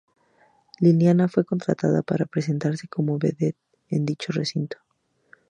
Liliana fue contratada para presentarse como vedette en dicho recinto.